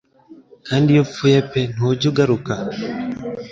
Kandi iyo upfuye pe ntujya ugaruka